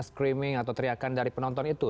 screaming atau teriakan dari penonton itu